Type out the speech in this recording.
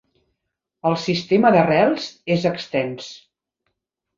El sistema d'arrels és extens.